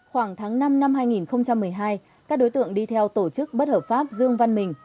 khoảng tháng năm năm hai nghìn một mươi hai các đối tượng đi theo tổ chức bất hợp pháp dương văn mình